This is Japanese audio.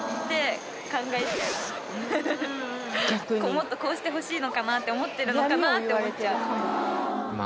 もっとこうしてほしいのかなって思ってるのかなって思っちゃうま